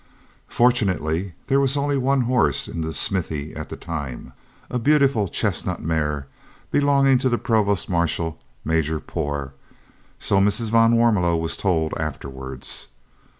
Fortunately there was only one horse in the smithy at the time, a beautiful chestnut mare belonging to the Provost Marshal, Major Poore, so Mrs. van Warmelo was told afterwards.